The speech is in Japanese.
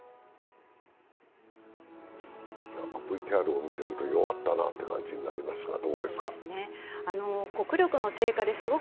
ＶＴＲを見ていると、弱ったなという感じになりますが、どうですか？